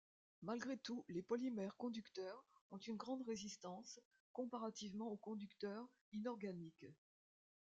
Malgré tout, les polymères conducteurs ont une grande résistance, comparativement aux conducteurs inorganiques.